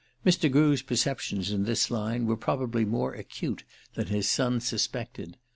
Mr. Grew's perceptions in this line were probably more acute than his son suspected.